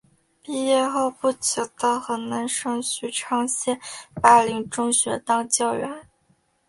毕业后不久到河南省许昌县灞陵中学当教员。